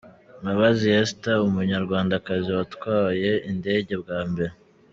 Mbabazi Esther umunyarwandakazi watwaye indege bwa mbere.